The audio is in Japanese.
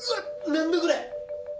何だこれ。